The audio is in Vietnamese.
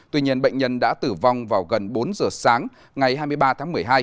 tuy nhiên bệnh nhân đã tử vong vào gần bốn giờ sáng ngày hai mươi ba tháng một mươi hai